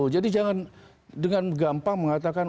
jadi jangan dengan gampang mengatakan